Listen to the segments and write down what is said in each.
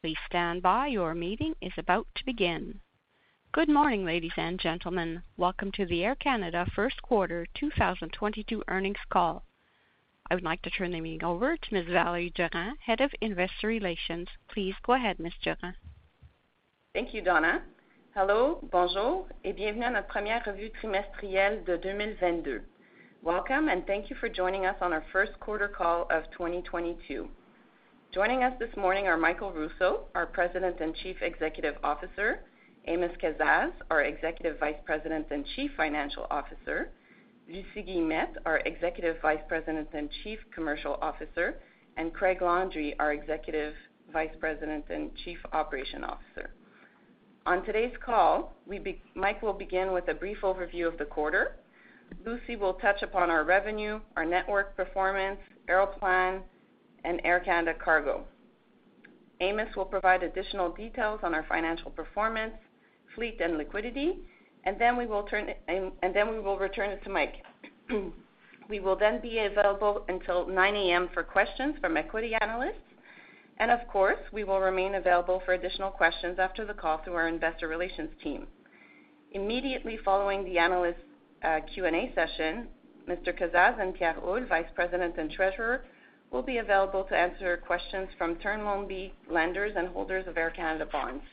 Good morning, ladies and gentlemen. Welcome to the Air Canada first quarter 2022 earnings call. I would like to turn the meeting over to Ms. Valérie Durand, Head of Investor Relations. Please go ahead, Ms. Durand. Thank you, Donna. Hello, bonjour, et bienvenue à notre première revue trimestrielle de 2022. Welcome and thank you for joining us on our first quarter call of 2022. Joining us this morning are Michael Rousseau, our President and Chief Executive Officer, Amos Kazzaz, our Executive Vice President and Chief Financial Officer, Lucie Guillemette, our Executive Vice President and Chief Commercial Officer, and Craig Landry, our Executive Vice President and Chief Operations Officer. On today's call, Mike will begin with a brief overview of the quarter. Lucie will touch upon our revenue, our network performance, Aeroplan, and Air Canada Cargo. Amos will provide additional details on our financial performance, fleet and liquidity, and then we will return it to Mike. We will then be available until 9:00 AM for questions from equity analysts. We will remain available for additional questions after the call through our investor relations team. Immediately following the analyst Q&A session, Mr. Kazzaz and Pierre Houle, Vice President and Treasurer, will be available to answer questions from Term Loan B lenders and holders of Air Canada bonds.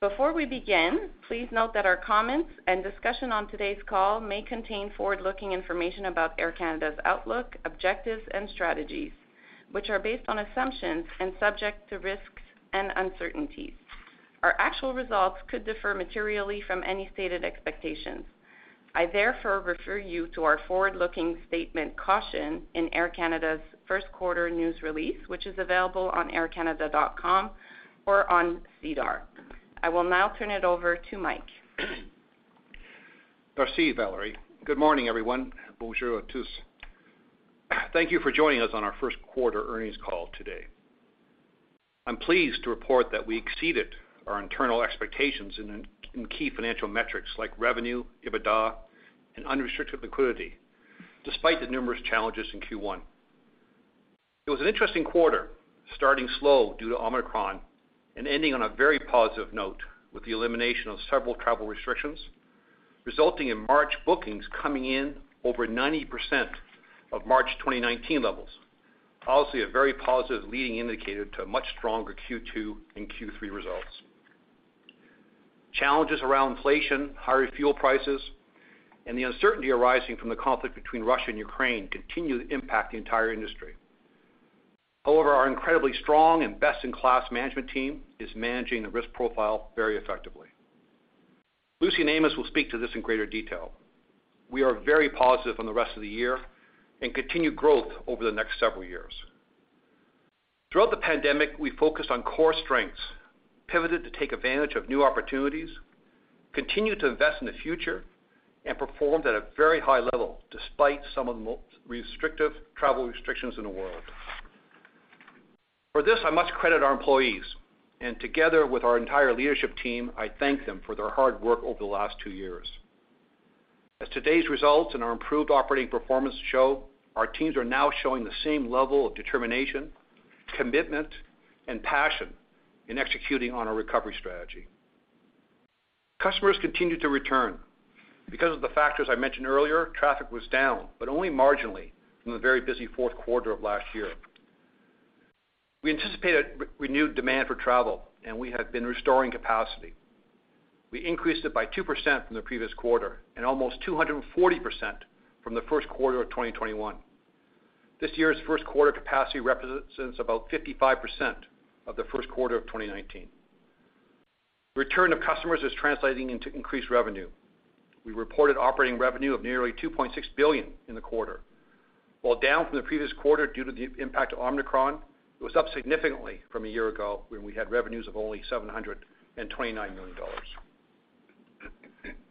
Before we begin, please note that our comments and discussion on today's call may contain forward-looking information about Air Canada's outlook, objectives, and strategies, which are based on assumptions and subject to risks and uncertainties. Our actual results could differ materially from any stated expectations. I therefore refer you to our forward-looking statement caution in Air Canada's first quarter news release, which is available on aircanada.com or on SEDAR. I will now turn it over to Mike. Merci, Valérie. Good morning, everyone. Bonjour a tous. Thank you for joining us on our first quarter earnings call today. I'm pleased to report that we exceeded our internal expectations in key financial metrics like revenue, EBITDA, and unrestricted liquidity, despite the numerous challenges in Q1. It was an interesting quarter starting slow due to Omicron and ending on a very positive note with the elimination of several travel restrictions resulting in March bookings coming in over 90% of March 2019 levels. Obviously a very positive leading indicator to much stronger Q2 and Q3 results. Challenges around inflation, higher fuel prices, and the uncertainty arising from the conflict between Russia and Ukraine continue to impact the entire industry. However, our incredibly strong and best-in-class management team is managing the risk profile very effectively. Lucie and Amos will speak to this in greater detail. We are very positive on the rest of the year and continued growth over the next several years. Throughout the pandemic, we focused on core strengths, pivoted to take advantage of new opportunities, continued to invest in the future, and performed at a very high level despite some of the most restrictive travel restrictions in the world. For this, I must credit our employees, and together with our entire leadership team, I thank them for their hard work over the last two years. As today's results and our improved operating performance show, our teams are now showing the same level of determination, commitment, and passion in executing on our recovery strategy. Customers continue to return because of the factors I mentioned earlier, traffic was down, but only marginally from a very busy fourth quarter of last year. We anticipated renewed demand for travel and we have been restoring capacity. We increased it by 2% from the previous quarter and almost 240% from the first quarter of 2021. This year's first quarter capacity represents about 55% of the first quarter of 2019. Return of customers is translating into increased revenue. We reported operating revenue of nearly 2.6 billion in the quarter. While down from the previous quarter due to the impact of Omicron, it was up significantly from a year ago when we had revenues of only 729 million dollars.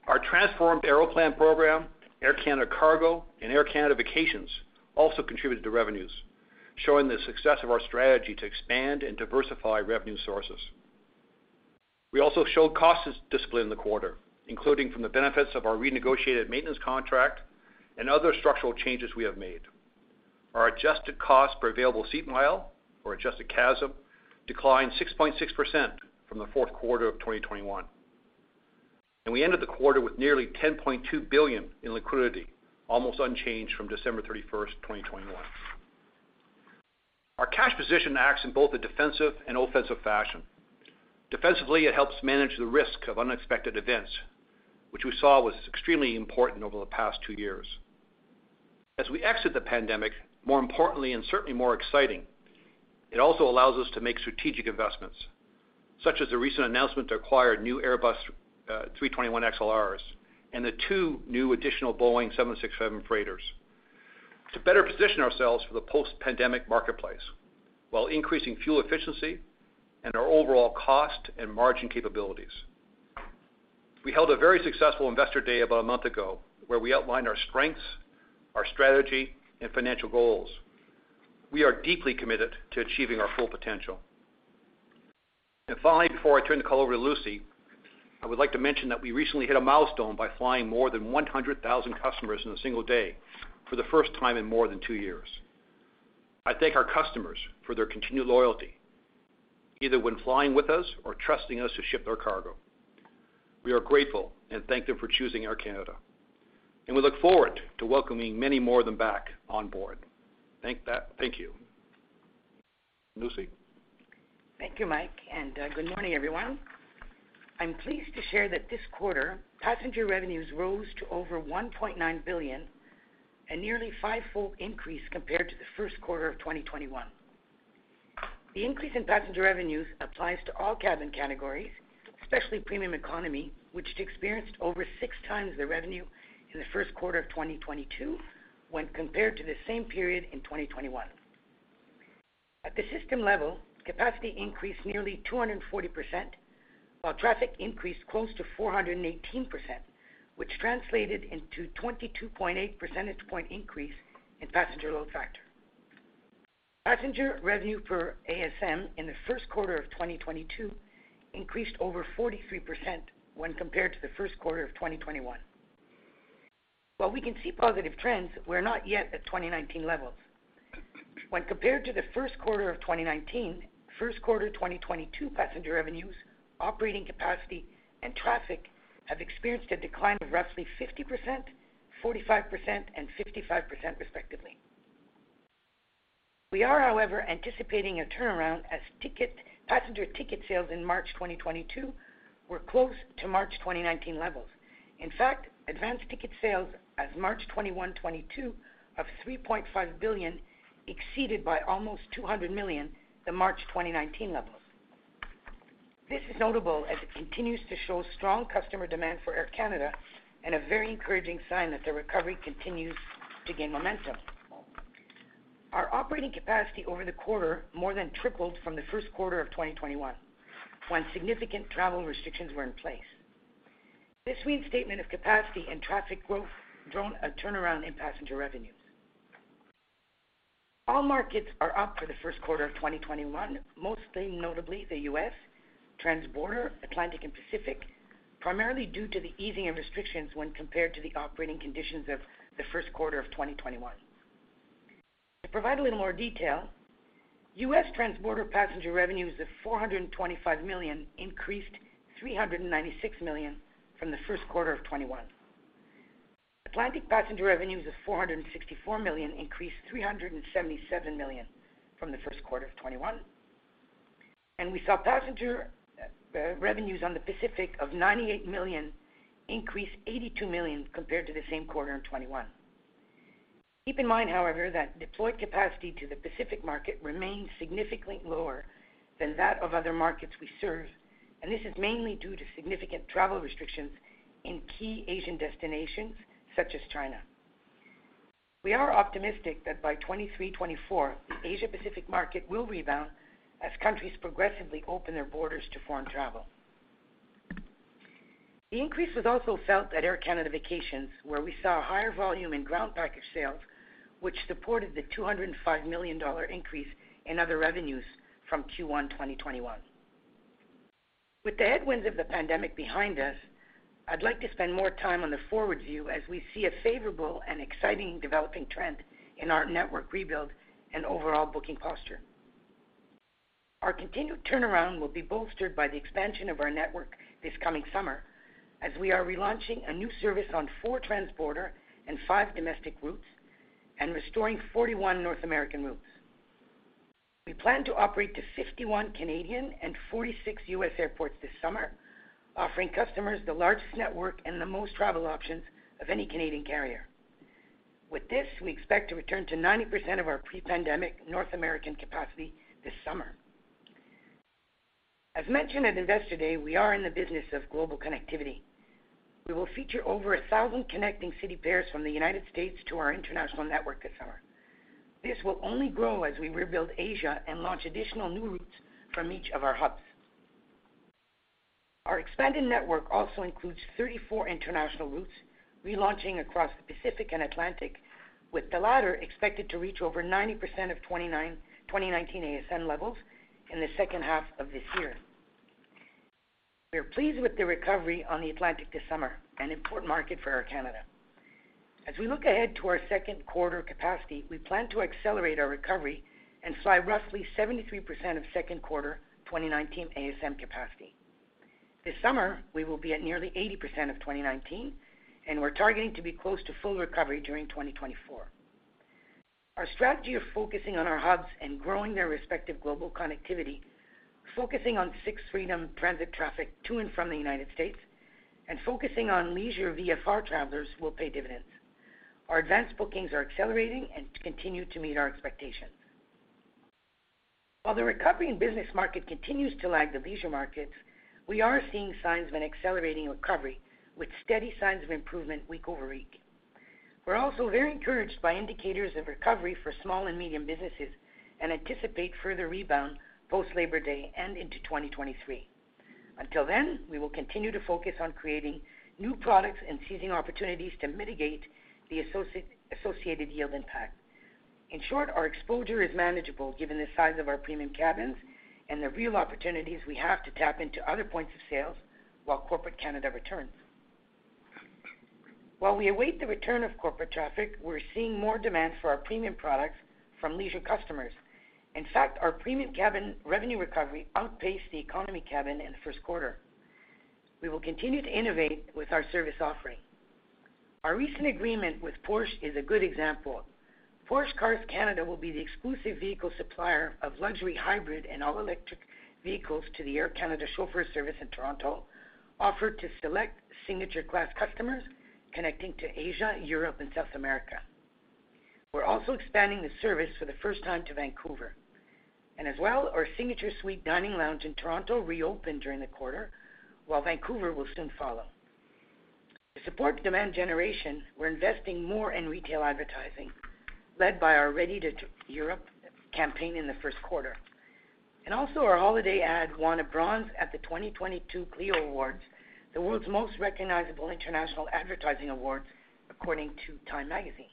Our transformed Aeroplan program, Air Canada Cargo, and Air Canada Vacations also contributed to revenues, showing the success of our strategy to expand and diversify revenue sources. We also showed cost discipline in the quarter, including from the benefits of our renegotiated maintenance contract and other structural changes we have made. Our adjusted cost per available seat mile, or adjusted CASM, declined 6.6% from the fourth quarter of 2021. We ended the quarter with nearly 10.2 billion in liquidity, almost unchanged from December 31st, 2021. Our cash position acts in both the defensive and offensive fashion. Defensively, it helps manage the risk of unexpected events, which we saw was extremely important over the past two years. As we exit the pandemic, more importantly and certainly more exciting, it also allows us to make strategic investments, such as the recent announcement to acquire new Airbus A321XLRs and the two new additional Boeing 767 freighters, to better position ourselves for the post-pandemic marketplace while increasing fuel efficiency, and our overall cost, and margin capabilities. We held a very successful Investor Day about a month ago where we outlined our strengths, our strategy, and financial goals. We are deeply committed to achieving our full potential. Finally, before I turn the call over to Lucie, I would like to mention that we recently hit a milestone by flying more than 100,000 customers in a single day for the first time in more than two years. I thank our customers for their continued loyalty, either when flying with us or trusting us to ship their cargo. We are grateful, and thank them for choosing Air Canada, and we look forward to welcoming many more of them back on board. Thank you. Lucie? Thank you, Mike, and good morning, everyone. I'm pleased to share that this quarter, passenger revenues rose to over 1.9 billion, a nearly five-fold increase compared to the first quarter of 2021. The increase in passenger revenues applies to all cabin categories, especially premium economy, which experienced over 6x the revenue in the first quarter of 2022 when compared to the same period in 2021. At the system level, capacity increased nearly 240%, while traffic increased close to 418%, which translated into 22.8 percentage point increase in passenger load factor. Passenger revenue per ASM in the first quarter of 2022 increased over 43% when compared to the first quarter of 2021. While we can see positive trends, we're not yet at 2019 levels. When compared to the first quarter of 2019, first quarter 2022 passenger revenues, operating capacity, and traffic have experienced a decline of roughly 50%, 45%, and 55% respectively. We are, however, anticipating a turnaround as passenger ticket sales in March 2022 were close to March 2019 levels. In fact, advanced ticket sales as of March 21, 2022 of 3.5 billion exceeded by almost 200 million the March 2019 levels. This is notable as it continues to show strong customer demand for Air Canada and a very encouraging sign that the recovery continues to gain momentum. Our operating capacity over the quarter more than tripled from the first quarter of 2021 when significant travel restrictions were in place. This reinstatement of capacity and traffic growth drove a turnaround in passenger revenues. All markets are up for the first quarter of 2021, most notably the U.S., trans-border, Atlantic and Pacific, primarily due to the easing of restrictions when compared to the operating conditions of the first quarter of 2021. To provide a little more detail, U.S. trans-border passenger revenues of 425 million increased 396 million from the first quarter of 2021. Atlantic passenger revenues is 464 million increased 377 million from the first quarter of 2021. We saw passenger revenues on the Pacific of 98 million increase 82 million compared to the same quarter in 2021. Keep in mind, however, that deployed capacity to the Pacific market remains significantly lower than that of other markets we serve, and this is mainly due to significant travel restrictions in key Asian destinations such as China. We are optimistic that by 2023-2024, the Asia Pacific market will rebound as countries progressively open their borders to foreign travel. The increase was also felt at Air Canada Vacations where we saw a higher volume in ground package sales, which supported the 205 million dollar increase in other revenues from Q1 2021. With the headwinds of the pandemic behind us, I'd like to spend more time on the forward view as we see a favorable and exciting developing trend in our network rebuild and overall booking posture. Our continued turnaround will be bolstered by the expansion of our network this coming summer as we are relaunching a new service on four trans-border, and five domestic routes, and restoring 41 North American routes. We plan to operate to 51 Canadian and 46 U.S. airports this summer offering customers the largest network and the most travel options of any Canadian carrier. With this, we expect to return to 90% of our pre-pandemic North American capacity this summer. As mentioned at Investor Day, we are in the business of global connectivity. We will feature over 1,000 connecting city pairs from the United States to our international network this summer. This will only grow as we rebuild Asia and launch additional new routes from each of our hubs. Our expanded network also includes 34 international routes relaunching across the Pacific and Atlantic, with the latter expected to reach over 90% of 2019 ASM levels in the second half of this year. We are pleased with the recovery on the Atlantic this summer, an important market for Air Canada. As we look ahead to our second quarter capacity, we plan to accelerate our recovery and fly roughly 73% of second quarter 2019 ASM capacity. This summer, we will be at nearly 80% of 2019 and we're targeting to be close to full recovery during 2024. Our strategy of focusing on our hubs and growing their respective global connectivity, focusing on Sixth Freedom transit traffic to and from the United States, and focusing on leisure VFR travelers will pay dividends. Our advanced bookings are accelerating and continue to meet our expectations. While the recovery in business market continues to lag the leisure markets, we are seeing signs of an accelerating recovery with steady signs of improvement week-over-week. We're also very encouraged by indicators of recovery for small and medium businesses and anticipate further rebound post Labor Day and into 2023. Until then, we will continue to focus on creating new products and seizing opportunities to mitigate the associated yield impact. In short, our exposure is manageable given the size of our premium cabins and the real opportunities we have to tap into other points of sales while corporate Canada returns. While we await the return of corporate traffic, we are seeing more demand for our premium products from leisure customers. In fact, our premium cabin revenue recovery outpaced the economy cabin in the first quarter. We will continue to innovate with our service offering. Our recent agreement with Porsche is a good example. Porsche Cars Canada will be the exclusive vehicle supplier of luxury hybrid and all-electric vehicles to the Air Canada chauffeur service in Toronto, offered to select Signature Class customers connecting to Asia, Europe, and South America. We're also expanding the service for the first time to Vancouver. As well, our Signature Suite Dining Lounge in Toronto reopened during the quarter, while Vancouver will soon follow. To support demand generation, we're investing more in retail advertising, led by our Ready to Europe campaign in the first quarter. Also, our holiday ad won a bronze at the 2022 Clio Awards, the world's most recognizable international advertising awards, according to Time magazine.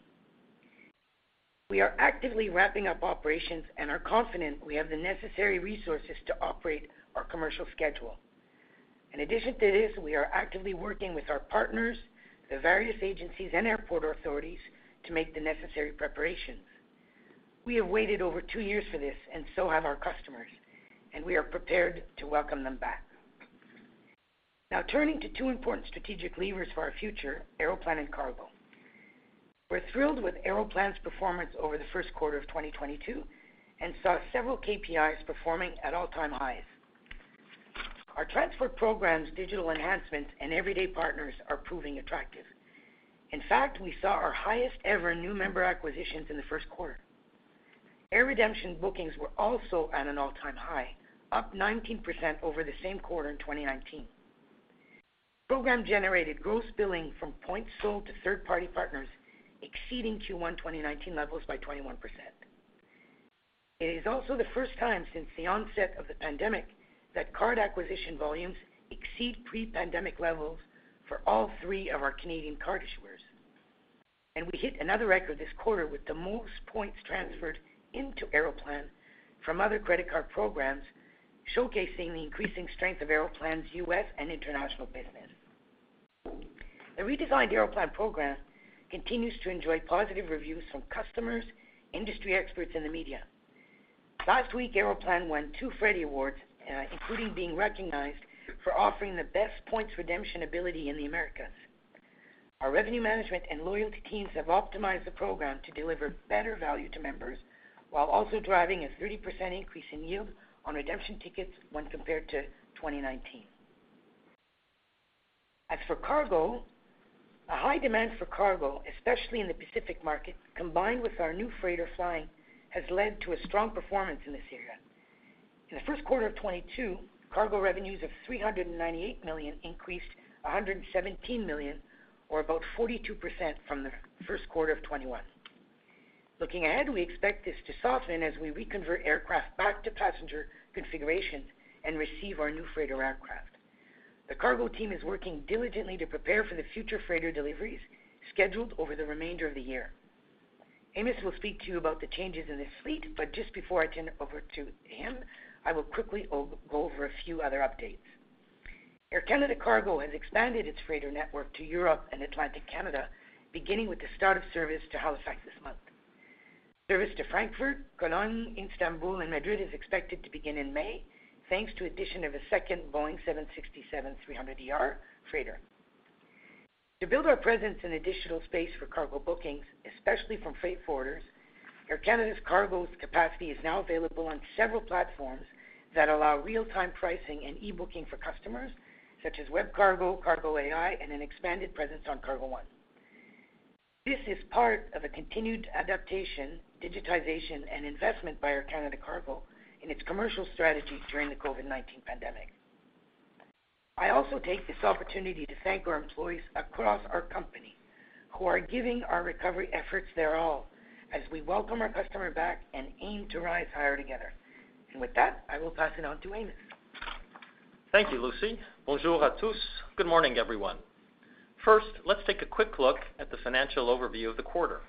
We are actively ramping up operations and are confident we have the necessary resources to operate our commercial schedule. In addition to this, we are actively working with our partners, the various agencies, and airport authorities to make the necessary preparations. We have waited over two years for this, and so have our customers, and we are prepared to welcome them back. Now turning to two important strategic levers for our future, Aeroplan and Cargo. We're thrilled with Aeroplan's performance over the first quarter of 2022 and saw several KPIs performing at all-time highs. Our transfer program's digital enhancements and everyday partners are proving attractive. In fact, we saw our highest ever new member acquisitions in the first quarter. Air redemption bookings were also at an all-time high, up 19% over the same quarter in 2019. Program generated gross billing from points sold to third-party partners exceeding Q1 2019 levels by 21%. It is also the first time since the onset of the pandemic that card acquisition volumes exceed pre-pandemic levels for all three of our Canadian card issuers. We hit another record this quarter with the most points transferred into Aeroplan from other credit card programs, showcasing the increasing strength of Aeroplan's U.S. and international business. The redesigned Aeroplan program continues to enjoy positive reviews from customers, industry experts, and the media. Last week, Aeroplan won two Freddie Awards, including being recognized for offering the best points redemption ability in the Americas. Our revenue management and loyalty teams have optimized the program to deliver better value to members while also driving a 30% increase in yield on redemption tickets when compared to 2019. As for cargo, a high demand for cargo, especially in the Pacific market, combined with our new freighter flying, has led to a strong performance in this area. In the first quarter of 2022, cargo revenues of CAD 398 million increased CAD 117 million or about 42% from the first quarter of 2021. Looking ahead, we expect this to soften as we reconvert aircraft back to passenger configurations and receive our new freighter aircraft. The cargo team is working diligently to prepare for the future freighter deliveries scheduled over the remainder of the year. Amos will speak to you about the changes in this fleet, but just before I turn it over to him, I will quickly go over a few other updates. Air Canada Cargo has expanded its freighter network to Europe and Atlantic Canada beginning with the start of service to Halifax this month. Service to Frankfurt, Cologne, Istanbul, and Madrid is expected to begin in May, thanks to addition of a second Boeing 767-300ER freighter. To build our presence in additional space for cargo bookings, especially from freight forwarders, Air Canada's cargo capacity is now available on several platforms that allow real-time pricing and e-booking for customers such as WebCargo, CargoAi, and an expanded presence on cargo.one. This is part of a continued adaptation, digitization, and investment by Air Canada Cargo in its commercial strategies during the COVID-19 pandemic. I also take this opportunity to thank our employees across our company who are giving our recovery efforts their all as we welcome our customer back and aim to Rise Higher together. With that, I will pass it on to Amos. Thank you, Lucie. Bonjour à tous. Good morning, everyone. First, let's take a quick look at the financial overview of the quarter.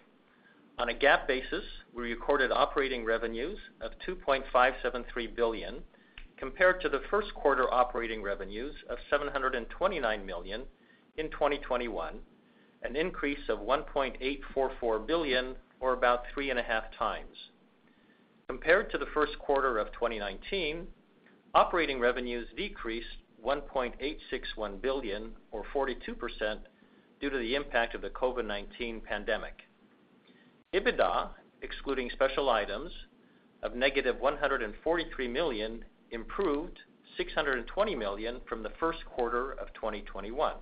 On a GAAP basis, we recorded operating revenues of 2.573 billion compared to the first quarter operating revenues of 729 million in 2021, an increase of 1.844 billion or about 3.5x. Compared to the first quarter of 2019, operating revenues decreased 1.861 billion or 42% due to the impact of the COVID-19 pandemic. EBITDA, excluding special items, of -143 million improved 620 million from the first quarter of 2021.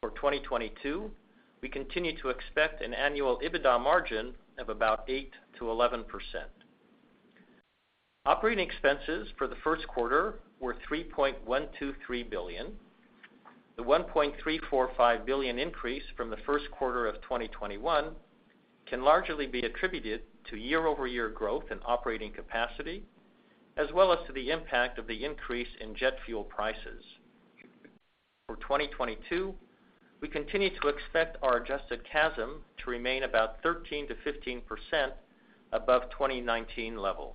For 2022, we continue to expect an annual EBITDA margin of about 8% to 11%. Operating expenses for the first quarter were 3.123 billion. The 1.345 billion increase from the first quarter of 2021 can largely be attributed to year-over-year growth in operating capacity as well as to the impact of the increase in jet fuel prices. For 2022, we continue to expect our adjusted CASM to remain about 13% to 15%, above 2019 levels.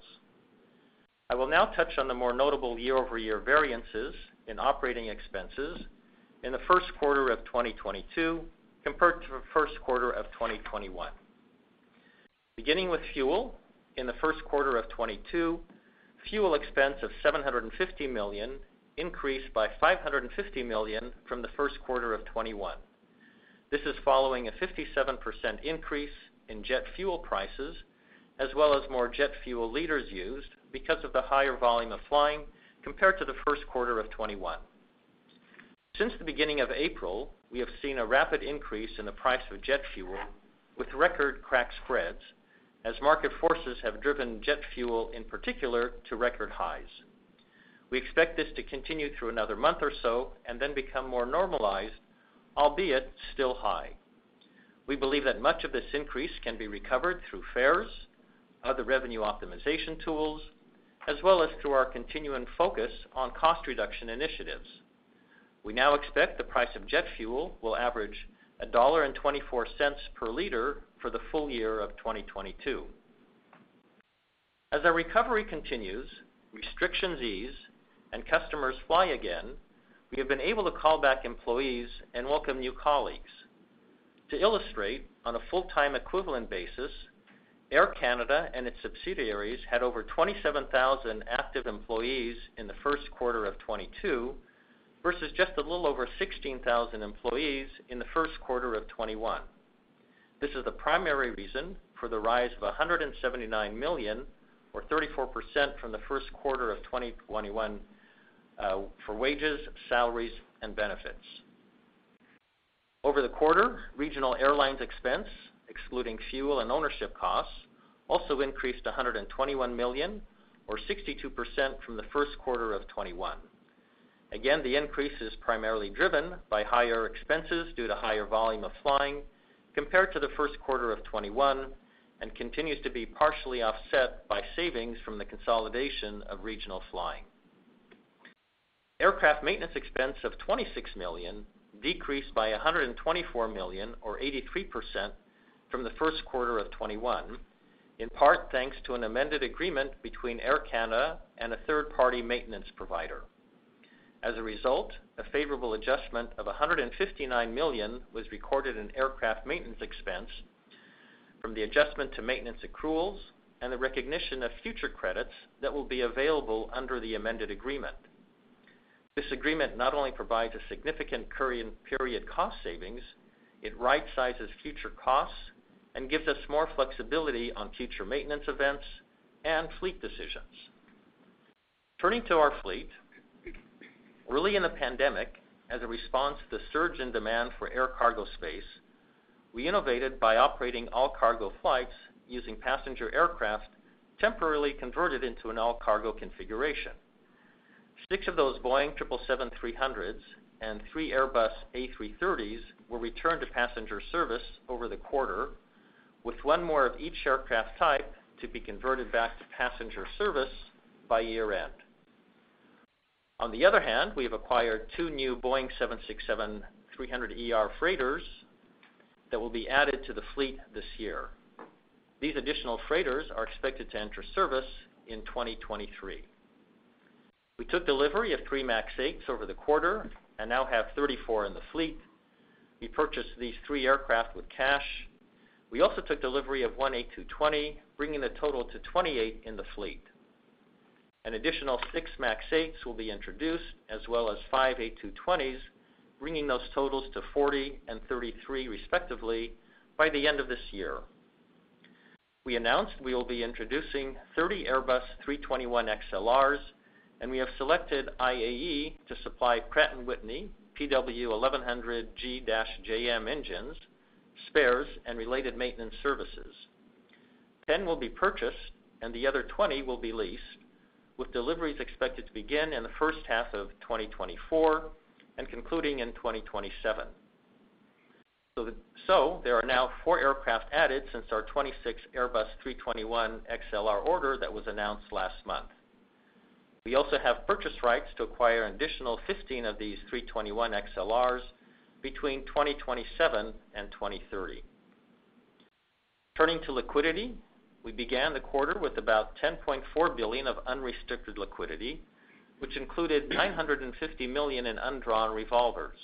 I will now touch on the more notable year-over-year variances in operating expenses in the first quarter of 2022 compared to the first quarter of 2021. Beginning with fuel, in the first quarter of 2022, fuel expense of 750 million increased by 550 million from the first quarter of 2021. This is following a 57% increase in jet fuel prices as well as more jet fuel liters used because of the higher volume of flying compared to the first quarter of 2021. Since the beginning of April, we have seen a rapid increase in the price of jet fuel with record crack spreads as market forces have driven jet fuel, in particular, to record highs. We expect this to continue through another month or so and then become more normalized, albeit still high. We believe that much of this increase can be recovered through fares, other revenue optimization tools, as well as through our continuing focus on cost reduction initiatives. We now expect the price of jet fuel will average 1.24 dollar per liter for the full-year of 2022. As our recovery continues, restrictions ease, and customers fly again, we have been able to call back employees and welcome new colleagues. To illustrate, on a full-time equivalent basis, Air Canada and its subsidiaries had over 27,000 active employees in the first quarter of 2022 versus just a little over 16,000 employees in the first quarter of 2021. This is the primary reason for the rise of 179 million or 34% from the first quarter of 2021 for wages, salaries, and benefits. Over the quarter, regional airlines expense, excluding fuel and ownership costs, also increased CAD 121 million or 62% from the first quarter of 2021. Again, the increase is primarily driven by higher expenses due to higher volume of flying compared to the first quarter of 2021 and continues to be partially offset by savings from the consolidation of regional flying. Aircraft maintenance expense of 26 million decreased by 124 million or 83% from the first quarter of 2021, in part thanks to an amended agreement between Air Canada and a third party maintenance provider. As a result, a favorable adjustment of 159 million was recorded in aircraft maintenance expense from the adjustment to maintenance accruals and the recognition of future credits that will be available under the amended agreement. This agreement not only provides a significant current period cost savings, it right sizes future costs and gives us more flexibility on future maintenance events and fleet decisions. Turning to our fleet, early in the pandemic as a response to the surge in demand for air cargo space, we innovated by operating all cargo flights using passenger aircraft temporarily converted into an all cargo configuration. Six of those Boeing 777-300ERs and 3 Airbus A330s were returned to passenger service over the quarter, with one more of each aircraft type to be converted back to passenger service by year-end. On the other hand, we have acquired two new Boeing 767-300ER freighters that will be added to the fleet this year. These additional freighters are expected to enter service in 2023. We took delivery of three 737 MAX 8s over the quarter and now have 34 in the fleet. We purchased these three aircraft with cash. We also took delivery of one A220, bringing the total to 28 in the fleet. An additional six 737 MAX 8s will be introduced as well as five A220s, bringing those totals to 40 and 33 respectively by the end of this year. We announced we will be introducing 30 Airbus A321XLRs, and we have selected IAE to supply Pratt & Whitney PW1100G-JM engines, spares, and related maintenance services. Ten will be purchased and the other 20 will be leased with deliveries expected to begin in the first half of 2024 and concluding in 2027. There are now four aircraft added since our 26 Airbus A321XLR order that was announced last month. We also have purchase rights to acquire an additional 15 of these A321XLRs between 2027 and 2030. Turning to liquidity, we began the quarter with about 10.4 billion of unrestricted liquidity, which included 950 million in undrawn revolvers.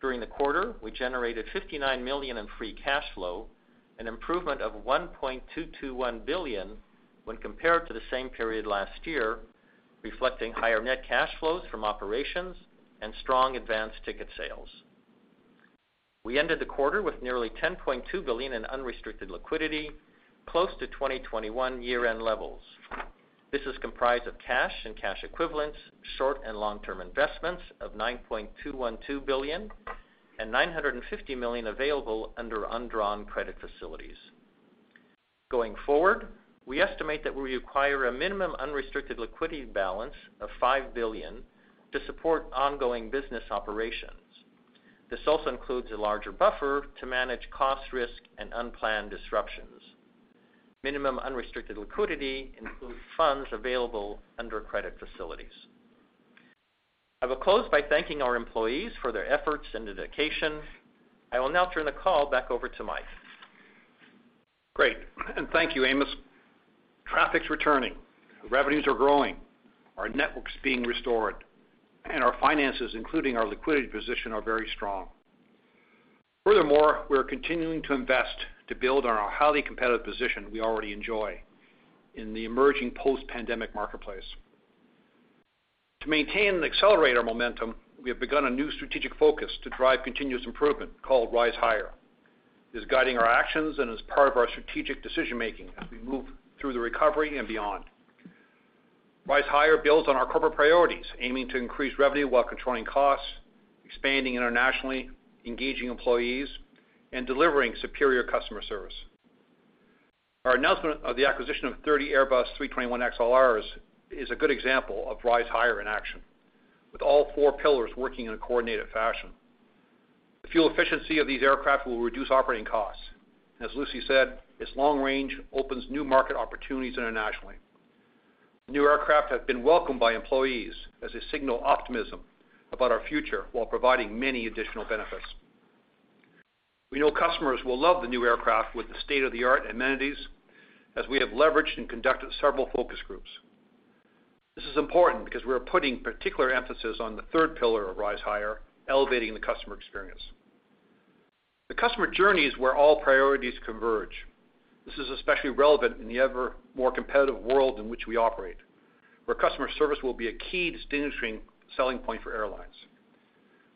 During the quarter, we generated 59 million in free cash flow, an improvement of 1.221 billion when compared to the same period last year reflecting higher net cash flows from operations and strong advanced ticket sales. We ended the quarter with nearly 10.2 billion in unrestricted liquidity close to 2021 year-end levels. This is comprised of cash and cash equivalents, short and long-term investments of 9.212 billion and 950 million available under undrawn credit facilities. Going forward, we estimate that we require a minimum unrestricted liquidity balance of 5 billion to support ongoing business operations. This also includes a larger buffer to manage cost risk and unplanned disruptions. Minimum unrestricted liquidity includes funds available under credit facilities. I will close by thanking our employees for their efforts and dedication. I will now turn the call back over to Mike. Great, and thank you, Amos. Traffic's returning, revenues are growing, our network's being restored, and our finances, including our liquidity position are very strong. Furthermore, we are continuing to invest to build on our highly competitive position we already enjoy in the emerging post-pandemic marketplace. To maintain and accelerate our momentum, we have begun a new strategic focus to drive continuous improvement called Rise Higher. It is guiding our actions and is part of our strategic decision-making as we move through the recovery and beyond. Rise Higher builds on our corporate priorities, aiming to increase revenue while controlling costs, expanding internationally, engaging employees, and delivering superior customer service. Our announcement of the acquisition of 30 Airbus A321XLRs is a good example of Rise Higher in action with all four pillars working in a coordinated fashion. Fuel efficiency of these aircraft will reduce operating costs. As Lucie said, its long range opens new market opportunities internationally. New aircraft have been welcomed by employees as they signal optimism about our future while providing many additional benefits. We know customers will love the new aircraft with the state-of-the-art amenities as we have leveraged and conducted several focus groups. This is important because we are putting particular emphasis on the third pillar of Rise Higher, elevating the customer experience. The customer journey is where all priorities converge. This is especially relevant in the ever more competitive world in which we operate where customer service will be a key distinguishing selling point for airlines.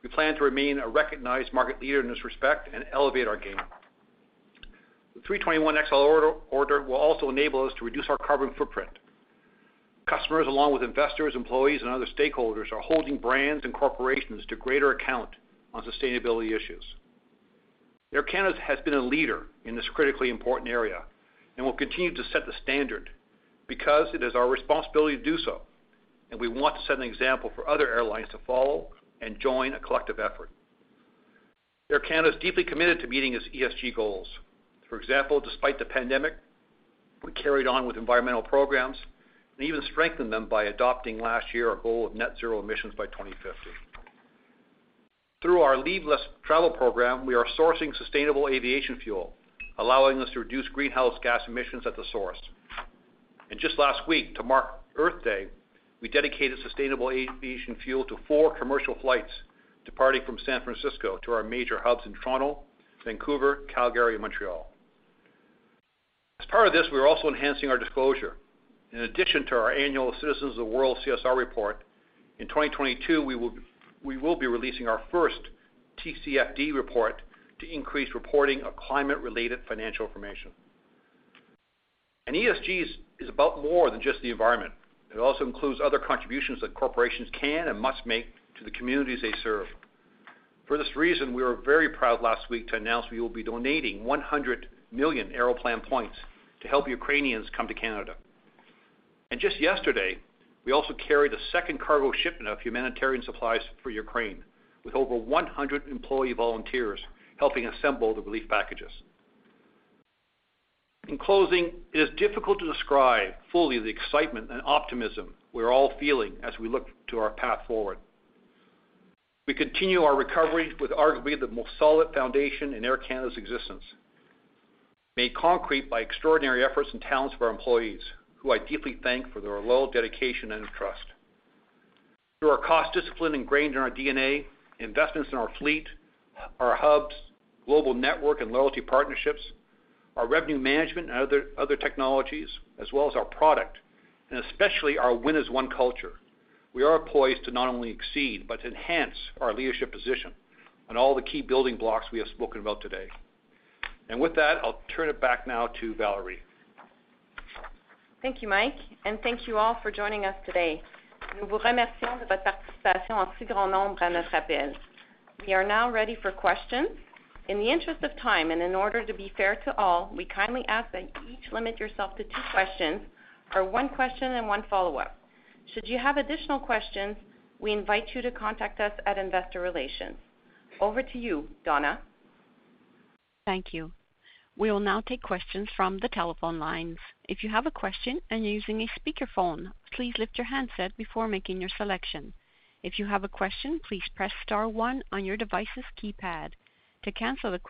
We plan to remain a recognized market leader in this respect and elevate our game. The A321XLR order will also enable us to reduce our carbon footprint. Customers, along with investors, employees, and other stakeholders, are holding brands and corporations to greater account on sustainability issues. Air Canada has been a leader in this critically important area and will continue to set the standard because it is our responsibility to do so, and we want to set an example for other airlines to follow, and join a collective effort. Air Canada is deeply committed to meeting its ESG goals. For example, despite the pandemic, we carried on with environmental programs and even strengthened them by adopting last year our goal of net zero emissions by 2050. Through our Leave Less travel program, we are sourcing sustainable aviation fuel, allowing us to reduce greenhouse gas emissions at the source. Last week to mark Earth Day, we dedicated sustainable aviation fuel to four commercial flights departing from San Francisco to our major hubs in Toronto, Vancouver, Calgary, and Montreal. As part of this, we are also enhancing our disclosure. In addition to our annual Citizens of the World CSR report, in 2022, we will be releasing our first TCFD report to increase reporting of climate-related financial information. ESG is about more than just the environment. It also includes other contributions that corporations can and must make to the communities they serve. For this reason, we were very proud last week to announce we will be donating 100 million Aeroplan points to help Ukrainians come to Canada. Yesterday, we also carried a second cargo shipment of humanitarian supplies for Ukraine with over 100 employee volunteers helping assemble the relief packages. In closing, it is difficult to describe fully the excitement and optimism we're all feeling as we look to our path forward. We continue our recovery with arguably the most solid foundation in Air Canada's existence, made concrete by extraordinary efforts and talents of our employees who I deeply thank for their loyal, dedication, and trust. Through our cost discipline ingrained in our DNA, investments in our fleet, our hubs, global network and loyalty partnerships, our revenue management and other technologies, as well as our product, and especially our WIN as ONE culture, we are poised to not only exceed, but enhance our leadership position on all the key building blocks we have spoken about today. With that, I'll turn it back now to Valerie. Thank you, Mike, and thank you all for joining us today. We are now ready for questions. In the interest of time, and in order to be fair to all, we kindly ask that you each limit yourself to two questions or one question and one follow-up. Should you have additional questions, we invite you to contact us at Investor Relations. Over to you, Donna. Thank you. We will now take questions from the telephone lines. The first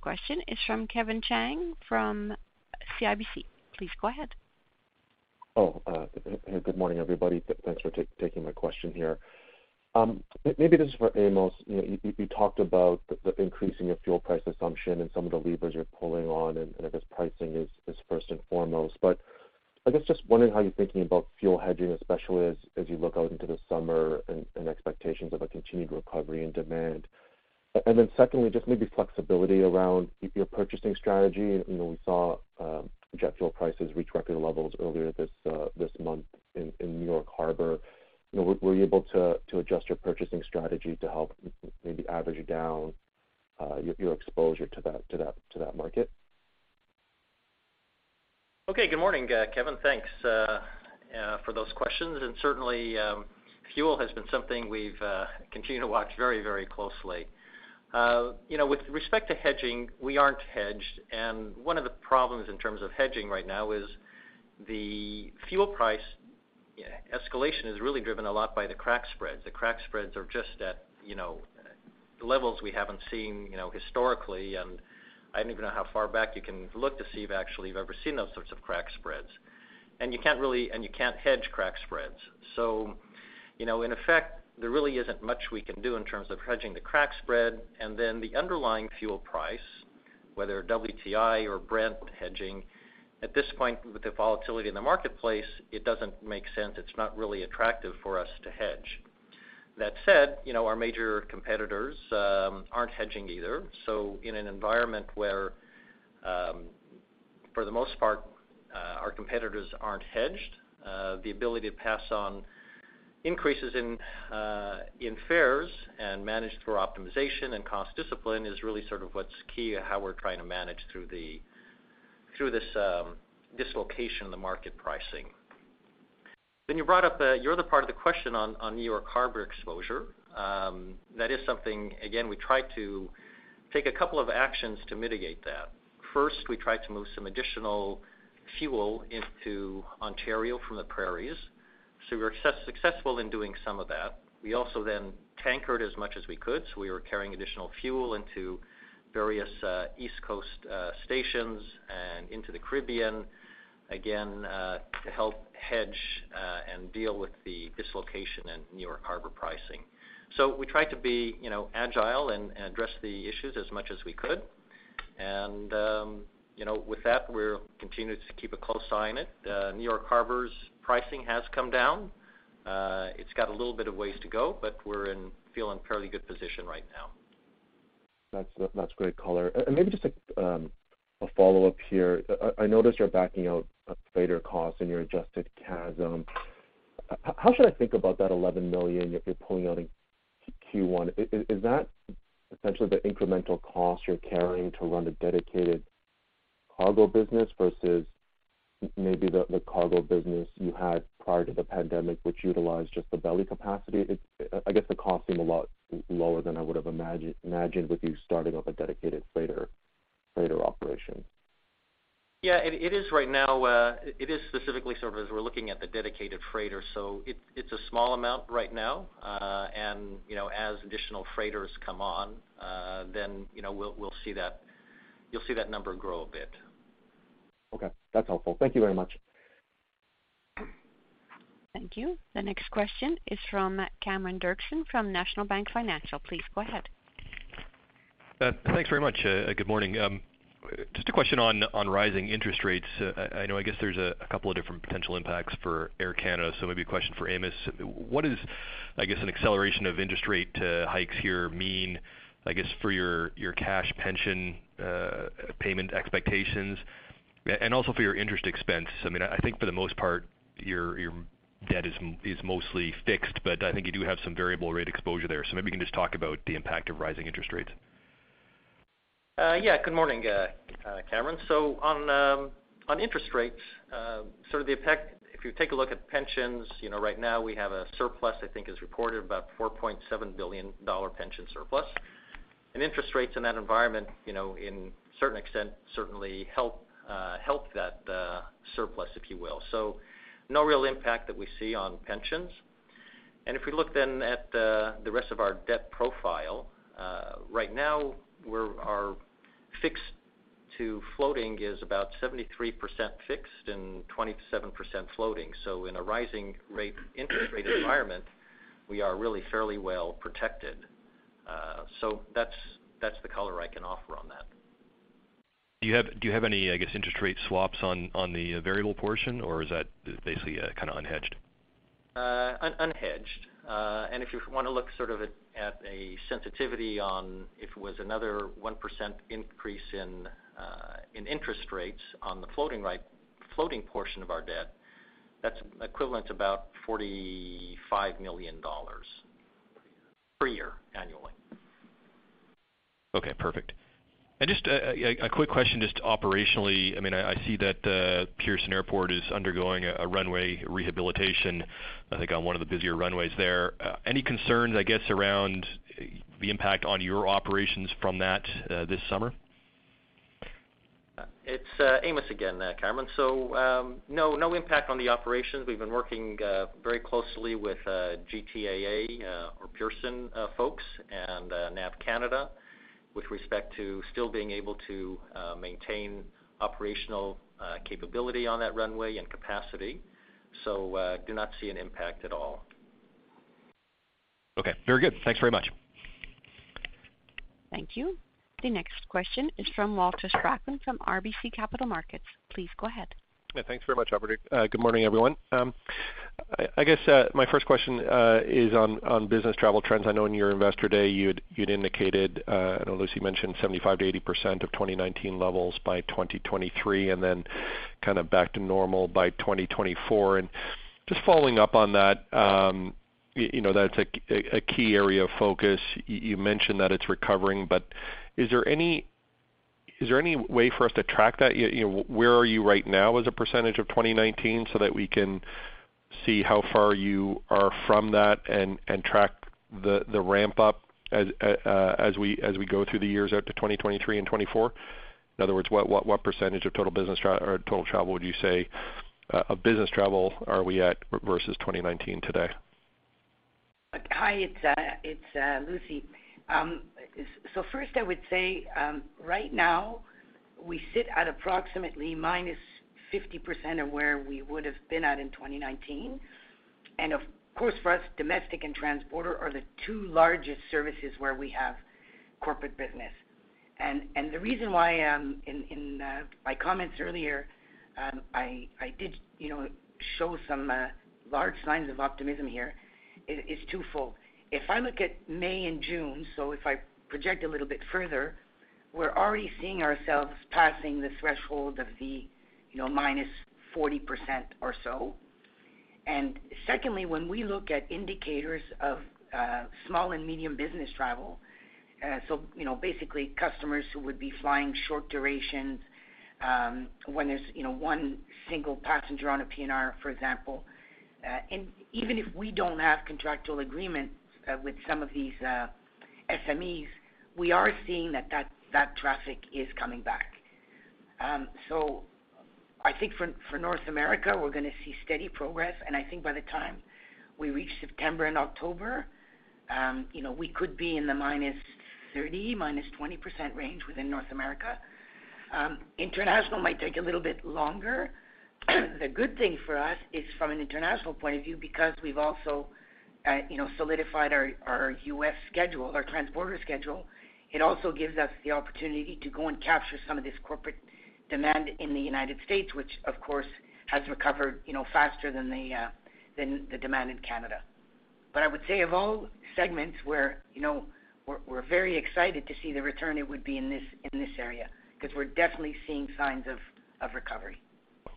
question is from Kevin Chiang from CIBC. Please go ahead. Hey, good morning, everybody. Thanks for taking my question here. Maybe this is for Amos. You talked about the increasing of fuel price assumption and some of the levers you're pulling on and pricing is first and foremost. I was just wondering how you're thinking about fuel hedging, especially as you look out into the summer and expectations of a continued recovery in demand. Secondly, just maybe flexibility around your purchasing strategy. We saw jet fuel prices reach record levels earlier this month in New York Harbor. Were you able to adjust your purchasing strategy to help maybe average down your exposure to that market? Okay. Good morning, Kevin. Thanks for those questions. Certainly, fuel has been something we've continued to watch very, very closely. With respect to hedging, we aren't hedged, and one of the problems in terms of hedging right now is the fuel price escalation is really driven a lot by the crack spreads. The crack spreads are just at, you know, levels we haven't seen, you know, historically, and I don't even know how far back you can look to see if actually you've ever seen those sorts of crack spreads. You can't hedge crack spreads. In effect, there really isn't much we can do in terms of hedging the crack spread and then the underlying fuel price, whether WTI or Brent hedging, at this point, with the volatility in the marketplace, it doesn't make sense. It's not really attractive for us to hedge. That said, you know, our major competitors aren't hedging either. In an environment where, for the most part, our competitors aren't hedged, the ability to pass on increases in fares and manage through optimization and cost discipline is really sort of what's key how we're trying to manage through this dislocation in the market pricing. You brought up your other part of the question on New York Harbor exposure. That is something, again, we tried to take a couple of actions to mitigate that. First, we tried to move some additional fuel into Ontario from the prairies so we were successful in doing some of that. We also then tankered as much as we could, so we were carrying additional fuel into various East Coast stations and into the Caribbean, again, to help hedge and deal with the dislocation in New York Harbor pricing. We tried to be, you know, agile and address the issues as much as we could. WIth that, we're continuing to keep a close eye on it. New York Harbor's pricing has come down. It's got a little bit of ways to go but we feel in fairly good position right now. That's great color and maybe just a follow-up here. I noticed you're backing out freighter costs in your adjusted CASM. How should I think about that 11 million you're pulling out in Q1? Is that essentially the incremental cost you're carrying to run a dedicated cargo business versus maybe the cargo business you had prior to the pandemic, which utilized just the belly capacity? The cost seemed a lot lower than I would've imagined with you starting up a dedicated freighter operation. Yeah, it is right now, it is specifically sort of as we're looking at the dedicated freighter, so it's a small amount right now. As additional freighters come on, then, you know, we'll see that. You'll see that number grow a bit. Okay. That's helpful. Thank you very much. Thank you. The next question is from Cameron Doerksen from National Bank Financial. Please go ahead. Thanks very much. Good morning. A question on rising interest rates. I know, I guess there's a couple of different potential impacts for Air Canada, so maybe a question for Amos. What isan acceleration of interest rate hikes here mean for your cash pension payment expectations and also for your interest expense? I mean, I think for the most part, your debt is mostly fixed, but I think you do have some variable rate exposure there. So maybe you can just talk about the impact of rising interest rates. Yeah. Good morning, Cameron. On interest rates, sort of the effect, if you take a look at pensions, you know, right now we have a surplus, I think, as reported, about 4.7 billion dollar pension surplus. Interest rates in that environment, you know, in certain extent certainly help that surplus, if you will. No real impact that we see on pensions. If we look then at the rest of our debt profile, right now our fixed to floating is about 73% fixed and 27% floating. In a rising rate interest rate environment, we are really fairly well protected. That's the color I can offer on that. Do you have any interest rate swaps on the variable portion, or is that basically kind of unhedged? Unhedged. If you want to look sort of at a sensitivity on if it was another 1% increase in interest rates on the floating portion of our debt, that's equivalent to about 45 million dollars per year, annually. Okay, perfect, and just a quick question, just operationally. I mean, I see that Pearson Airport is undergoing a runway rehabilitation, I think on one of the busier runways there. Any concerns, I guess, around the impact on your operations from that, this summer? It's Amos again, Cameron. No impact on the operations. We've been working very closely with GTAA or Pearson folks and NAV CANADA with respect to still being able to maintain operational capability on that runway and capacity. I do not see an impact at all. Okay. Very good. Thanks very much. Thank you. The next question is from Walter Spracklin from RBC Capital Markets. Please go ahead. Yeah, thanks very much, operator. Good morning, everyone. My first question is on business travel trends. I know in your Investor Day, you had indicated and I know Lucie mentioned 75% to 80% of 2019 levels by 2023, and then kind of back to normal by 2024. Following up on that, you know, that's a key area of focus. You mentioned that it's recovering, but is there any way for us to track that? Where are you right now as a percentage of 2019 so that we can see how far you are from that and track the ramp up as we go through the years out to 2023 and 2024? In other words, what percentage of total business travel or total travel would you say of business travel are we at versus 2019 today? Hi, it's Lucie. First, I would say, right now we sit at approximately -50% of where we would have been at in 2019. For us, domestic and transborder are the two largest services where we have corporate business. The reason why, in my comments earlier, I did, you know, show some large signs of optimism here is twofold. If I look at May and June, if I project a little bit further, we're already seeing ourselves passing the threshold of the, you know, -40% or so. Secondly, when we look at indicators of small and medium business travel, you know, basically customers who would be flying short durations when there's, you know, one single passenger on a PNR, for example. Even if we don't have contractual agreements with some of these SMEs, we are seeing that traffic is coming back. I think for North America, we're going to see steady progress. I think by the time we reach September and October, you know, we could be in the -30% to -20% range within North America. International might take a little bit longer. The good thing for us is from an international point of view, because we've also, you know, solidified our U.S. schedule, our trans-border schedule. It also gives us the opportunity to go and capture some of this corporate demand in the United States, which of course has recovered, you know, faster than the demand in Canada. I would say of all segments where, you know, we're very excited to see the return, it would be in this area, because we're definitely seeing signs of recovery.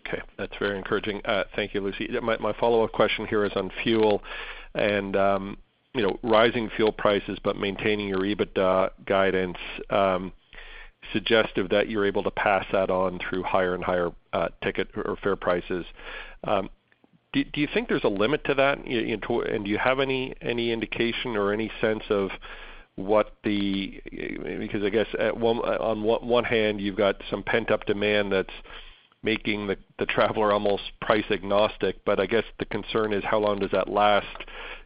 Okay. That's very encouraging. Thank you, Lucie. My follow-up question here is on fuel and, you know, rising fuel prices, but maintaining your EBITDA guidance, suggestive that you're able to pass that on through higher and higher ticket or fare prices. Do you think there's a limit to that? And do you have any indication or any sense of what the, because on one hand, you've got some pent-up demand that's making the traveler almost price agnostic. The concern is how long does that last,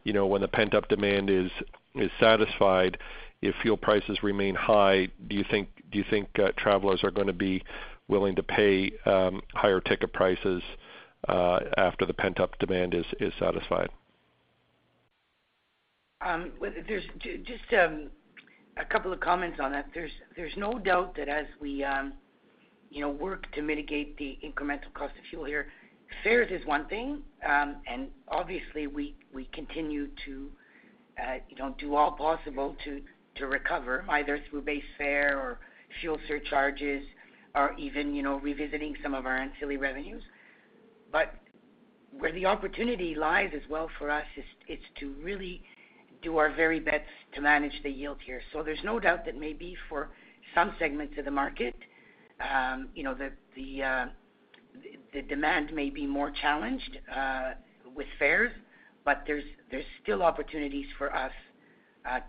you know, when the pent-up demand is satisfied, if fuel prices remain high, do you think travelers are going to be willing to pay higher ticket prices after the pent-up demand is satisfied? A couple of comments on that, there's no doubt that as we, you know, work to mitigate the incremental cost of fuel here, fares is one thing. Obviously, we continue to, you know, do all possible to recover either through base fare or fuel surcharges or even, you know, revisiting some of our ancillary revenues. Where the opportunity lies as well for us is to really do our very best to manage the yield here. There's no doubt that maybe for some segments of the market, you know, the demand may be more challenged with fares, but there's still opportunities for us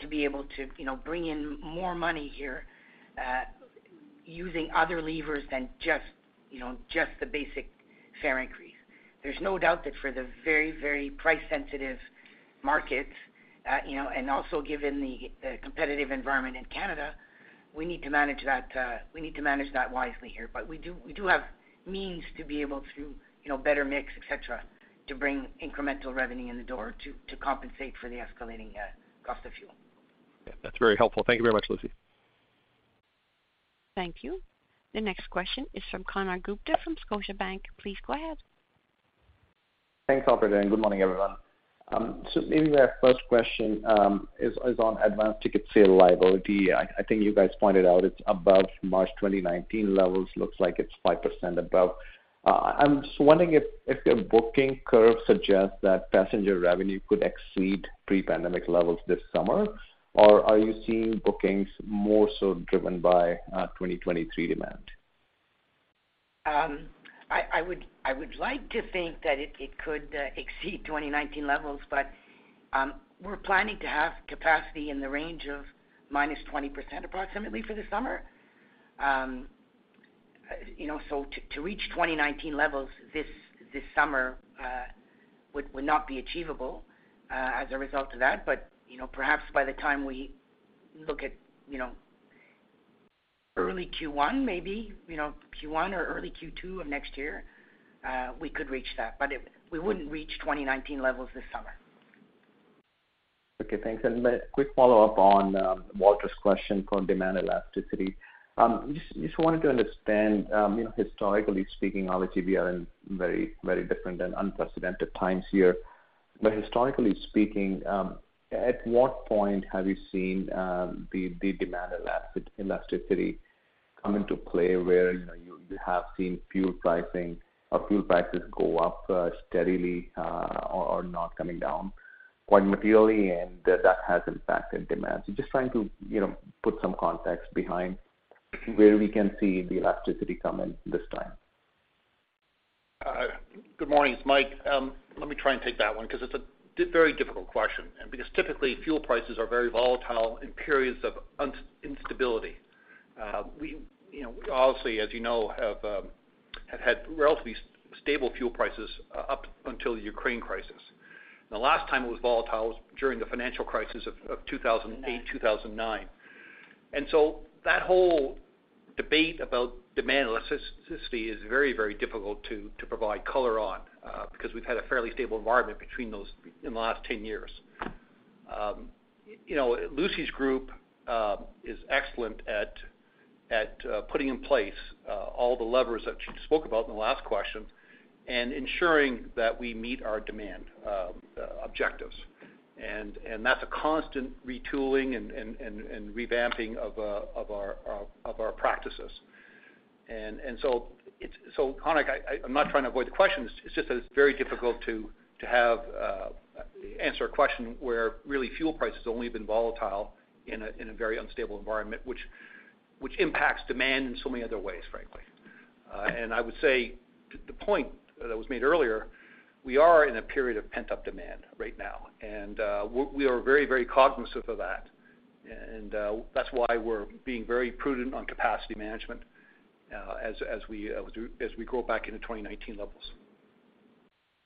to be able to, you know, bring in more money here using other levers than just, you know, the basic fare increase. There's no doubt that for the very price sensitive markets, you know, and also given the competitive environment in Canada, we need to manage that wisely here. We do have means to be able to, you know, better mix, et cetera, to bring incremental revenue in the door to compensate for the escalating cost of fuel. Yeah. That's very helpful. Thank you very much, Lucie. Thank you. The next question is from Konark Gupta from Scotiabank. Please go ahead. Thanks, operator, and good morning, everyone. My first question is on advanced ticket sale liability. I think you guys pointed out it's above March 2019 levels. It looks like it's 5% above. I'm just wondering if your booking curve suggests that passenger revenue could exceed pre-pandemic levels this summer or are you seeing bookings more so driven by 2023 demand? I would like to think that it could exceed 2019 levels but we're planning to have capacity in the range of -20% approximately for the summer. To reach 2019 levels this summer would not be achievable as a result of that. Perhaps by the time we look at early Q1, maybe Q1 or early Q2 of next year, we could reach that. We wouldn't reach 2019 levels this summer. Okay. Thanks and a quick follow-up on Walter's question for demand elasticity. Just wanted to understand, you know, historically speaking, obviously we are in very, very different and unprecedented times here, but historically speaking, at what point have you seen the demand elastici come into play where, you know, you have seen fuel pricing or fuel prices go up steadily, or not coming down quite materially, and that has impacted demand. I'm just trying to, you know, put some context behind where we can see the elasticity come in this time. Good morning. It's Mike. Let me try and take that one because it's a very difficult question, and because typically fuel prices are very volatile in periods of instability. We, you know, obviously, as you know, have had relatively stable fuel prices up until the Ukraine crisis. The last time it was volatile was during the financial crisis of 2008, 2009. That whole debate about demand elasticity is very difficult to provide color on because we've had a fairly stable environment between those in the last 10 years. Lucie's group is excellent at putting in place all the levers that she spoke about in the last question and ensuring that we meet our demand objectives. That's a constant retooling and revamping of our practices. Konark, I'm not trying to avoid the question. It's just that it's very difficult to answer a question where really fuel prices have only been volatile in a very unstable environment, which impacts demand in so many other ways, frankly. I would say to the point that was made earlier, we are in a period of pent-up demand right now, and we are very cognizant of that. That's why we're being very prudent on capacity management, as we grow back into 2019 levels.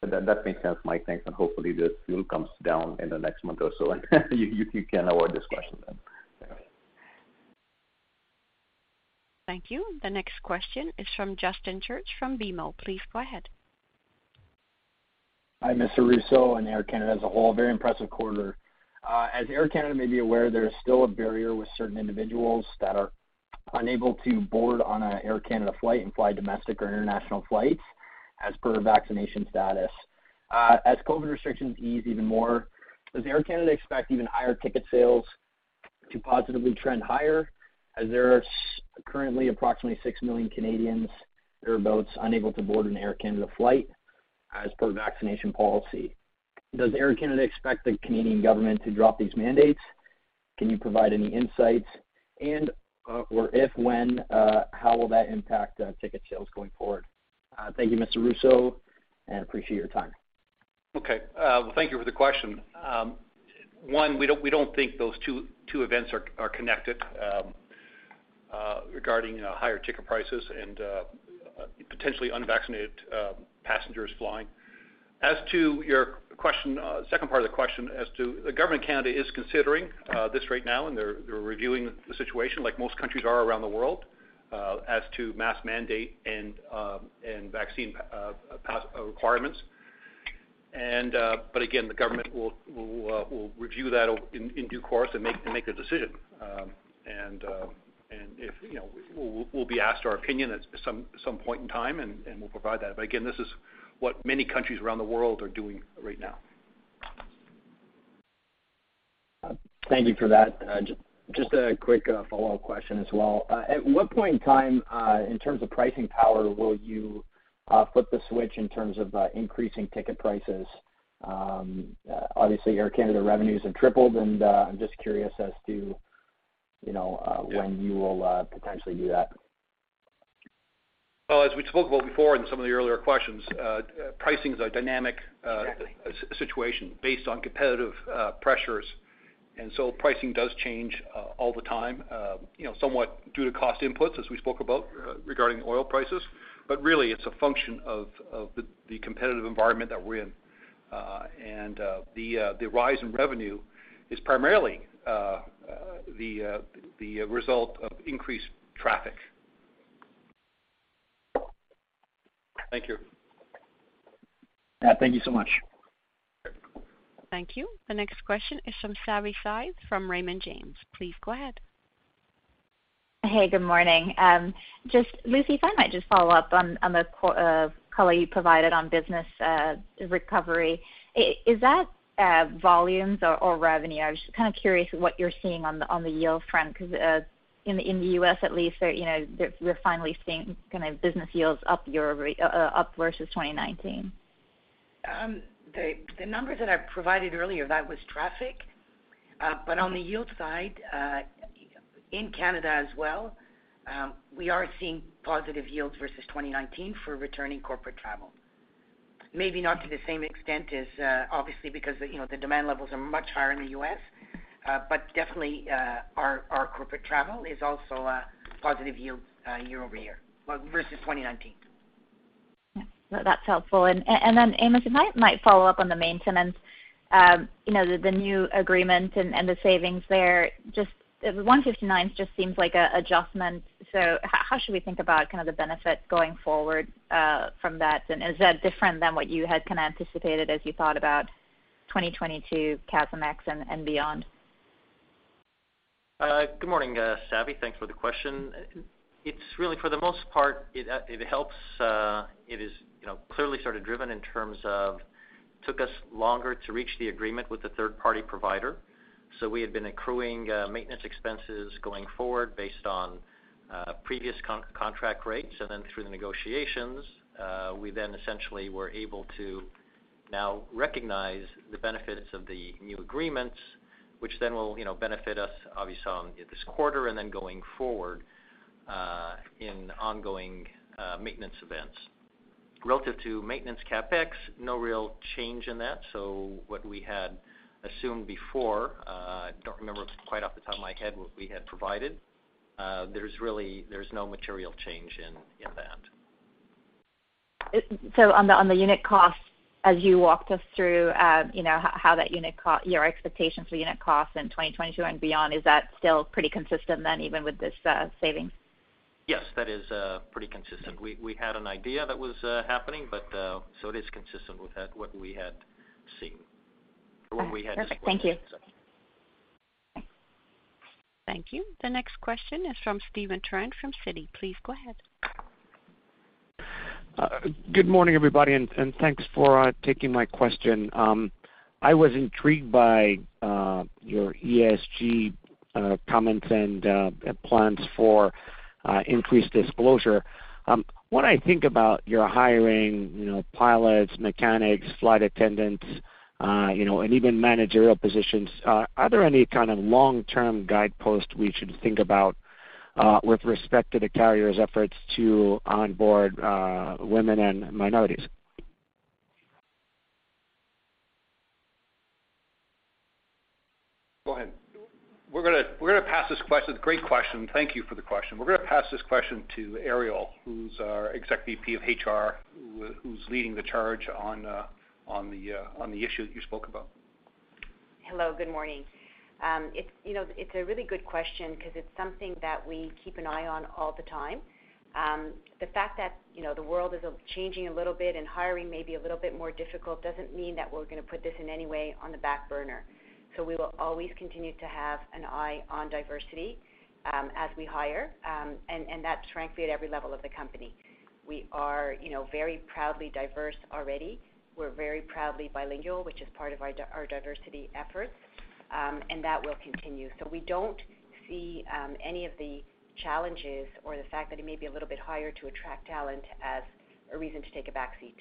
That makes sense, Mike. Thanks, and hopefully the fuel comes down in the next month or so, and you can avoid this question then. Thank you. The next question is from Justin Church from BMO. Please go ahead. Hi, Mr. Rousseau and Air Canada as a whole, very impressive quarter. As Air Canada may be aware, there is still a barrier with certain individuals that are unable to board on a Air Canada flight and fly domestic or international flights as per vaccination status. As COVID restrictions ease even more, was Air Canada expect even higher ticket sales to positively trend higher? As there are currently approximately 6 million Canadians or thereabouts unable to board an Air Canada flight as per vaccination policy. Does Air Canada expect the Canadian government to drop these mandates? Can you provide any insights, or if when, how will that impact ticket sales going forward? Thank you, Mr. Rousseau, and appreciate your time. Okay. Well, thank you for the question. One, we don't think those two events are connected, regarding, you know, higher ticket prices and potentially unvaccinated passengers flying. As to your question, second part of the question as to the Government of Canada is considering this right now, and they're reviewing the situation like most countries are around the world, as to mask mandate and vaccine passport requirements. Again, the government will review that in due course and make a decision. If, you know, we'll be asked our opinion at some point in time, and we'll provide that. Again, this is what many countries around the world are doing right now. Thank you for that and just a quick follow-up question as well. At what point in time, in terms of pricing power, will you flip the switch in terms of increasing ticket prices? Obviously, Air Canada revenues have tripled, and I'm just curious as to, you know, when you will potentially do that. Well, as we spoke about before in some of the earlier questions, pricing is a dynamic situation based on competitive pressures. Pricing does change all the time, you know, somewhat due to cost inputs, as we spoke about, regarding oil prices. Really, it's a function of the competitive environment that we're in. The rise in revenue is primarily the result of increased traffic. Thank you. Yeah, thank you so much. Thank you. The next question is from Savi Syth from Raymond James. Please go ahead. Hey, good morning. Lucie, if I might just follow up on the color you provided on business recovery. Is that volumes or revenue? I was just kind of curious what you're seeing on the yield front because in the U.S. at least, you know, we're finally seeing kind of business yields up year-over-year, up versus 2019. The numbers that I provided earlier, that was traffic. On the yield side, in Canada as well, we are seeing positive yields versus 2019 for returning corporate travel. Maybe not to the same extent as, obviously because the, you know, the demand levels are much higher in the U.S. Definitely, our corporate travel is also a positive yield, year-over-year versus 2019. Yeah. That's helpful. Then, Amos, can I just follow up on the maintenance, you know, the new agreement and the savings there, just the 159 just seems like an adjustment? How should we think about kind of the benefit going forward from that? Is that different than what you had kind of anticipated as you thought about 2022 CASM ex and beyond? Good morning, Savi. Thanks for the question. It's really, for the most part, it helps. It is, you know, clearly sort of driven in terms of it took us longer to reach the agreement with the third party provider. We had been accruing maintenance expenses going forward based on previous contract rates. Then through the negotiations, we essentially were able to recognize the benefits of the new agreements, which then will, you know, benefit us obviously in this quarter and then going forward in ongoing maintenance events. Relative to maintenance CapEx, no real change in that. What we had assumed before, I don't remember quite off the top of my head what we had provided, there's really no material change in that. On the unit costs, as you walked us through, you know, your expectations for unit costs in 2022 and beyond, is that still pretty consistent then even with this savings? Yes, that is pretty consistent. We had an idea that was happening but so it is consistent with what we had seen or what we had expected. Okay. Perfect. Thank you. Thank you. The next question is from Stephen Trent from Citi. Please go ahead. Good morning, everybody, and thanks for taking my question. I was intrigued by your ESG comments and plans for increased disclosure. When I think about your hiring, you know, pilots, mechanics, flight attendants, you know, and even managerial positions, are there any kind of long-term guideposts we should think about with respect to the carrier's efforts to onboard women and minorities? Go ahead. We're going to pass this question, great question, and thank you for the question. We're going to pass this question to Arielle, who's our Exec VP of HR, who's leading the charge on the issue that you spoke about. Hello, good morning. It's, you know, a really good question because it's something that we keep an eye on all the time. The fact that, you know, the world is changing a little bit and hiring may be a little bit more difficult doesn't mean that we're going to put this in any way on the back burner. We will always continue to have an eye on diversity as we hire and that's frankly at every level of the company. We are, you know, very proudly diverse already. We're very proudly bilingual, which is part of our our diversity efforts and that will continue. We don't see any of the challenges or the fact that it may be a little bit harder to attract talent as a reason to take a back seat.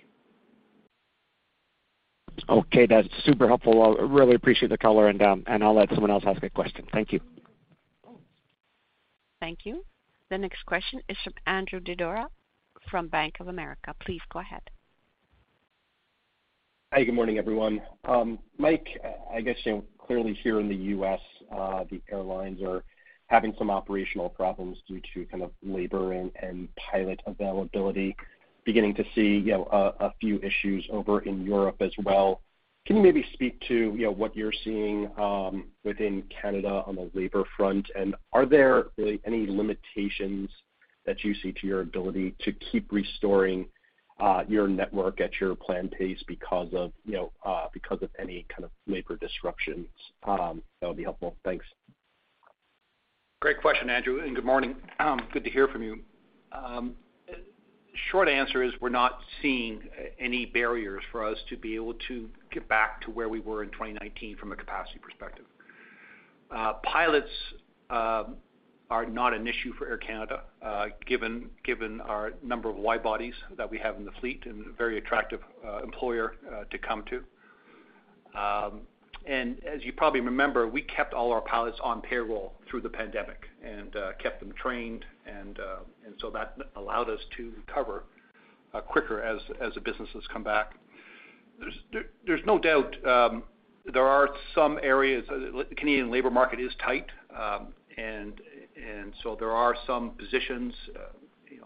Okay, that's super helpful. I really appreciate the color and I'll let someone else ask a question. Thank you. Thank you. The next question is from Andrew Didora from Bank of America. Please go ahead. Hi, good morning, everyone. Mike, clearly here in the U.S., the airlines are having some operational problems due to kind of labor and pilot availability, beginning to see, you know, a few issues over in Europe as well. Can you maybe speak to, you know, what you're seeing within Canada on the labor front? Are there really any limitations that you see to your ability to keep restoring your network at your planned pace because of, you know, because of any kind of labor disruptions? That would be helpful. Thanks. Great question, Andrew, and good morning. Good to hear from you. Short answer is we're not seeing any barriers for us to be able to get back to where we were in 2019 from a capacity perspective. Pilots are not an issue for Air Canada given our number of wide-bodies that we have in the fleet and a very attractive employer to come to. As you probably remember, we kept all our pilots on payroll through the pandemic and kept them trained and so that allowed us to recover quicker as the business has come back. There's no doubt, there are some areas, Canadian labor market is tight, and so there are some positions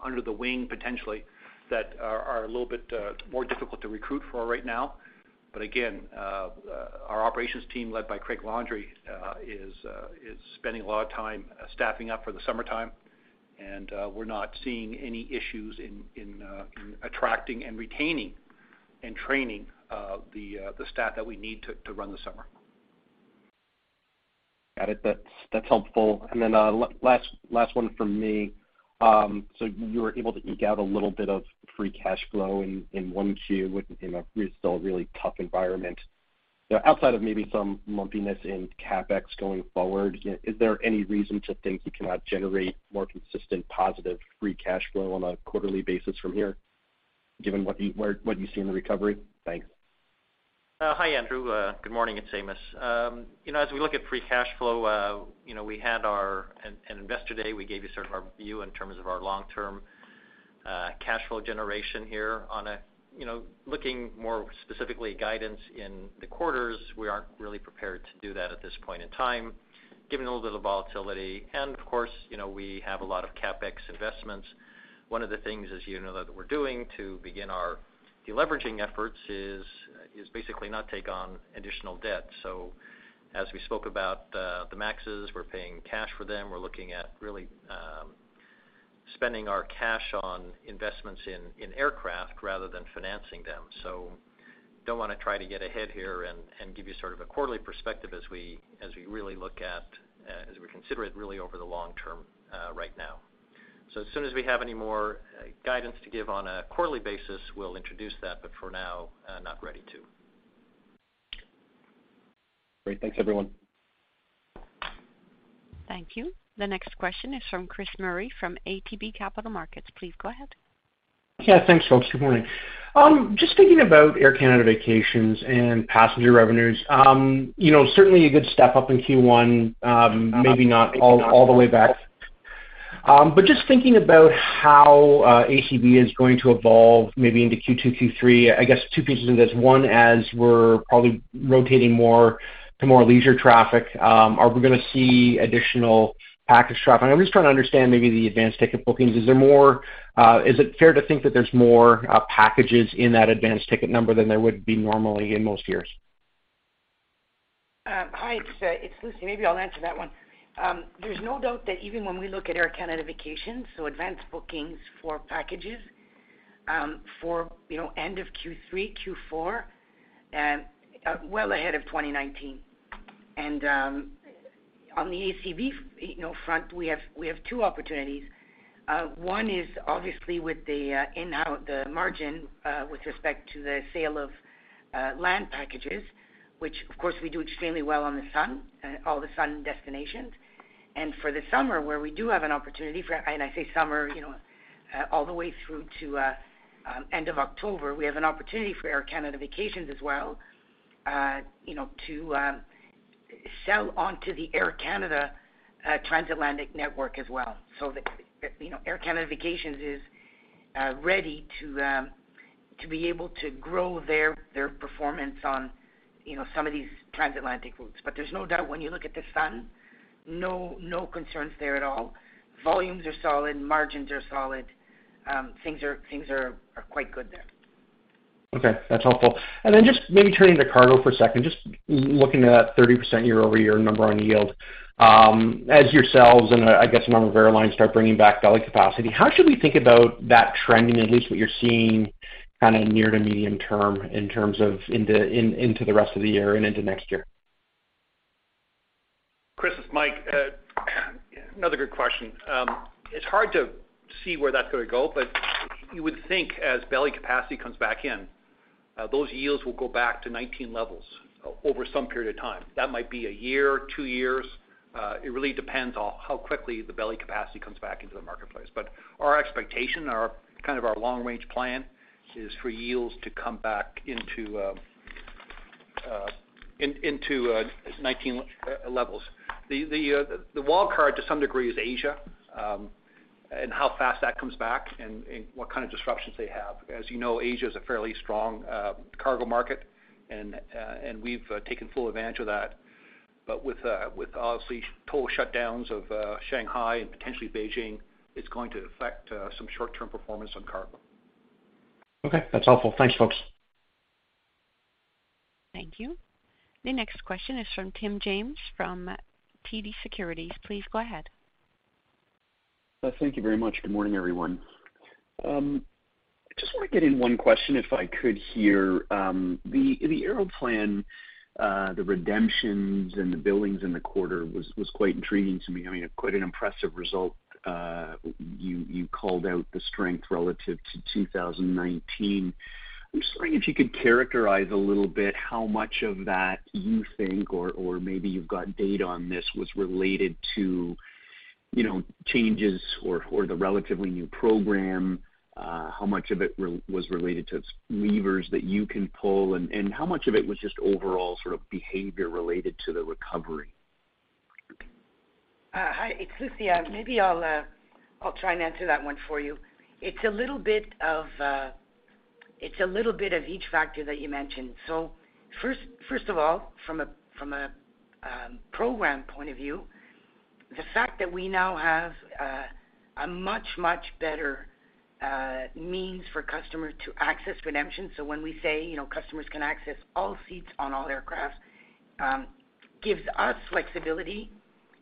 under the wing, potentially, that are a little bit more difficult to recruit for right now. Again, our operations team, led by Craig Landry, is spending a lot of time staffing up for the summertime, and we're not seeing any issues in attracting and retaining and training the staff that we need to run the summer. Got it. That's helpful. Then, last one from me. So you were able to eke out a little bit of free cash flow in 1Q in a still really tough environment. Now outside of maybe some lumpiness in CapEx going forward, is there any reason to think you cannot generate more consistent positive free cash flow on a quarterly basis from heregiven what you see in the recovery? Thanks. Hi, Andrew. Good morning. It's Amos. As we look at free cash flow, you know, we had our in Investor Day, we gave you sort of our view in terms of our long-term cash flow generation here on a looking more specifically guidance in the quarters, we aren't really prepared to do that at this point in time, given a little bit of volatility, and, of course, you know, we have a lot of CapEx investments. One of the things, as you know, that we're doing to begin our deleveraging efforts is basically not take on additional debt. As we spoke about, the MAXs, we're paying cash for them. We're looking at really spending our cash on investments in aircraft rather than financing them. I don't want to try to get ahead here and give you sort of a quarterly perspective as we really look at as we consider it really over the long term, right now. As soon as we have any more guidance to give on a quarterly basis, we'll introduce that, but for now, not ready to. Great. Thanks, everyone. Thank you. The next question is from Chris Murray from ATB Capital Markets. Please go ahead. Yeah. Thanks, folks. Good morning and just thinking about Air Canada Vacations and passenger revenues, you know, certainly a good step up in Q1, maybe not all the way back. Thinking about how ACB is going to evolve maybe into Q2, Q3, two pieces of this. One, as we're probably rotating more to leisure traffic, are we going to see additional package traffic? I'm just trying to understand maybe the advanced ticket bookings. Is it fair to think that there's more packages in that advanced ticket number than there would be normally in most years? Hi, it's Lucie. Maybe I'll answer that one. There's no doubt that even when we look at Air Canada Vacations, advanced bookings for packages, you know, end of Q3, Q4, well ahead of 2019. On the ACB, you know, front, we have two opportunities. One is obviously with the higher margin with respect to the sale of land packages, which of course we do extremely well on the sun, all the sun destinations. For the summer, where we have an opportunity for, and I say summer, you know, all the way through to end of October, we have an opportunity for Air Canada Vacations as well, you know, to sell onto the Air Canada transatlantic network as well. Air Canada Vacations is ready to be able to grow their performance on, you know, some of these transatlantic routes. There's no doubt when you look at the sun, no concerns there at all. Volumes are solid, margins are solid, things are quite good there. Okay, that's helpful, and just maybe turning to cargo for a second, just looking at that 30% year-over-year number on yield, as you and a number of airlines start bringing back belly capacity, how should we think about that trending, at least what you're seeing kind of near-to medium-term in terms of into the rest of the year and into next year? Chris, it's Mike. Another good question. It's hard to see where that's going to go, but you would think as belly capacity comes back in, those yields will go back to 2019 levels over some period of time. That might be a year, two years. It really depends on how quickly the belly capacity comes back into the marketplace. Our expectation, our kind of our long range plan is for yields to come back into 2019 levels. The wild card to some degree is Asia, and how fast that comes back, and what kind of disruptions they have. As you know, Asia is a fairly strong cargo market, and we've taken full advantage of that. With obviously total shutdowns of Shanghai and potentially Beijing, it's going to affect some short-term performance on cargo. Okay. That's helpful. Thanks, folks. Thank you. The next question is from Tim James from TD Securities. Please go ahead. Thank you very much. Good morning, everyone. I just want to get in one question if I could here. The Aeroplan, the redemptions and the billings in the quarter was quite intriguing to me. I mean, quite an impressive result. You called out the strength relative to 2019. I'm just wondering if you could characterize a little bit how much of that you think or maybe you've got data on this was related to, you know, changes or the relatively new program, how much of it was related to levers that you can pull, and how much of it was just overall sort of behavior related to the recovery? Hi. It's Lucie and maybe I'll try and answer that one for you. It's a little bit of each factor that you mentioned. First of all, from a program point of view, the fact that we now have a much better means for customers to access redemption. When we say, you know, customers can access all seats on all aircraft gives us flexibility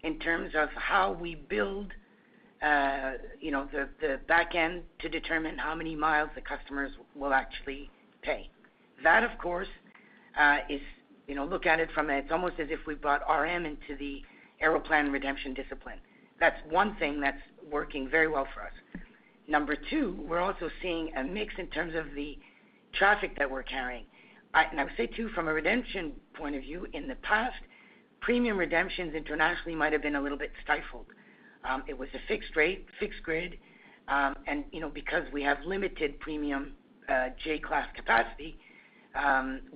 in terms of how we build, you know, the back end to determine how many miles the customers will actually pay. That, of course, is, you know, it's almost as if we brought RM into the Aeroplan redemption discipline. That's one thing that's working very well for us. Number two, we're also seeing a mix in terms of the traffic that we're carrying. I would say too, from a redemption point of view, in the past, premium redemptions internationally might have been a little bit stifled. It was a fixed rate, fixed grid, and you know, because we have limited premium J class capacity,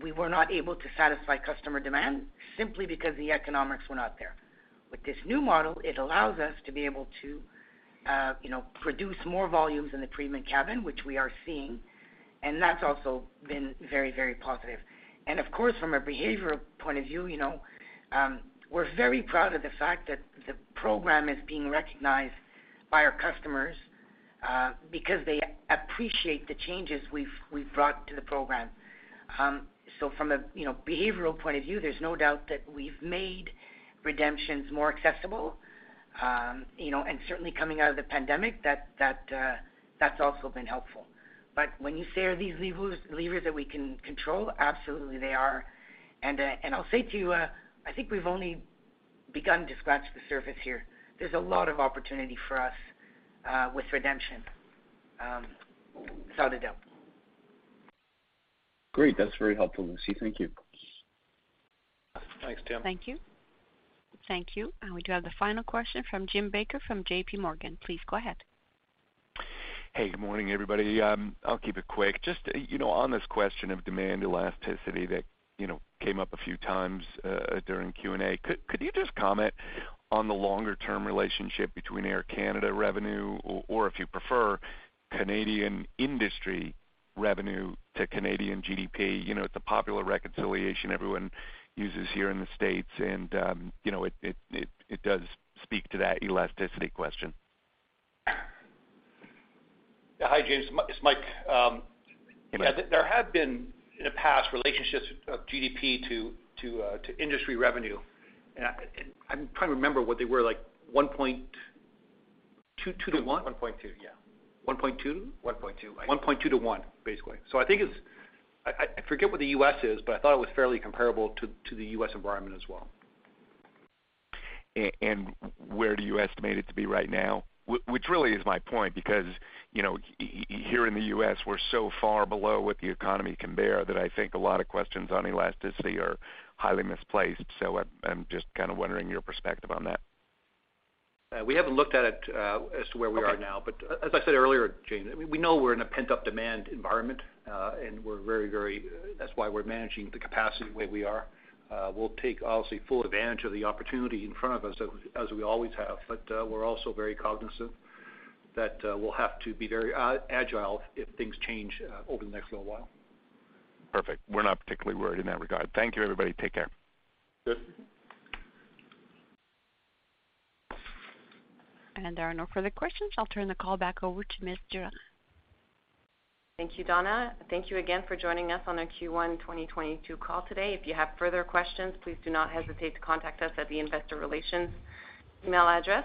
we were not able to satisfy customer demand simply because the economics were not there. With this new model, it allows us to be able to, you know, produce more volumes in the premium cabin, which we are seeing, and that's also been very, very positive. Of course, from a behavioral point of view, you know, we're very proud of the fact that the program is being recognized by our customers, because they appreciate the changes we've brought to the program. From a behavioral point of view, there's no doubt that we've made redemptions more accessible, you know. Certainly coming out of the pandemic, that that's also been helpful. When you say are these levers that we can control, absolutely they are, and I'll say to you, I think we've only begun to scratch the surface here. There's a lot of opportunity for us with redemption, without a doubt. Great. That's very helpful, Lucie. Thank you. Thanks, Tim. Thank you. Thank you. We do have the final question from Jamie Baker from JPMorgan. Please go ahead. Hey, good morning, everybody. I'll keep it quick. On this question of demand elasticity that, you know, came up a few times during Q&A, could you just comment on the longer-term relationship between Air Canada revenue, or if you prefer, Canadian industry revenue to Canadian GDP? IT's a popular reconciliation everyone uses here in the States, and, you know, it does speak to that elasticity question. Hi, Jamie. It's Mike. Yeah, there have been in the past relationships of GDP to industry revenue. I'm trying to remember what they were, like 1.2 to 1? 1.2, yeah. 1.2? 1.2, Mike. 1.2 to 1, basically. I think it's. I forget what the U.S. is, but I thought it was fairly comparable to the U.S. environment as well. Where do you estimate it to be right now? Which really is my point because, you know, here in the U.S., we're so far below what the economy can bear that I think a lot of questions on elasticity are highly misplaced. I'm just kind of wondering your perspective on that. We haven't looked at it as to where we are now. As I said earlier, Jamie, we know we're in a pent-up demand environment, and we're very, that's why we're managing the capacity the way we are. We'll take obviously full advantage of the opportunity in front of us as we always have. We're also very cognizant that we'll have to be very agile, if things change over the next little while. Perfect. We're not particularly worried in that regard. Thank you, everybody. Take care. Yes. There are no further questions. I'll turn the call back over to Ms. Durand. Thank you, Donna. Thank you again for joining us on our Q1 2022 call today. If you have further questions, please do not hesitate to contact us at the investor relations email address.